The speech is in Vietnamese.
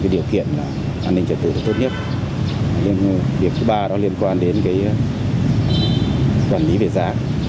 điều thứ ba liên quan đến quản lý về giá